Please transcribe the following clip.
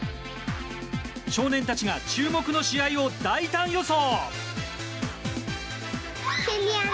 少年たちが注目の試合を大胆予想。